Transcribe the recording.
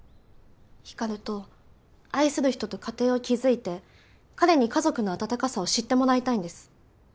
光琉と愛する人と家庭を築いて彼に家族の温かさを知ってもらいたいんです